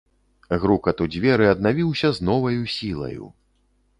Грукат у дзверы аднавіўся з новаю сілаю.